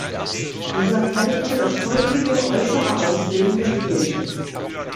Dieser prägte das heutige äußere Aussehen der Kirche.